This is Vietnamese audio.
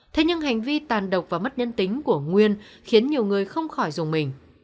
thế nhưng hành vi tàn độc và mất nhân tính của nguyên khiến nhiều người không khỏi dùng mình